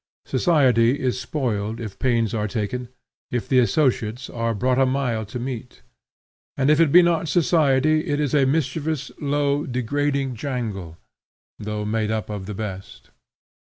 Society is spoiled if pains are taken, if the associates are brought a mile to meet. And if it be not society, it is a mischievous, low, degrading jangle, though made up of the best.